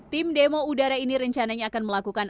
tim demo udara ini rencananya akan melakukan